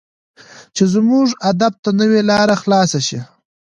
چې زموږ ادب ته نوې لار خلاصه شي.